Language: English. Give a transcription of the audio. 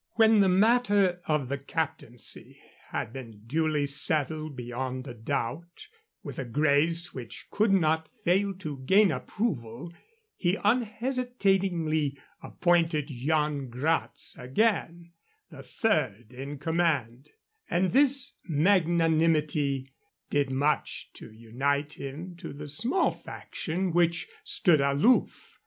When the matter of the captaincy had been duly settled beyond a doubt, with a grace which could not fail to gain approval, he unhesitatingly appointed Yan Gratz again the third in command, and this magnanimity did much to unite him to the small faction which stood aloof.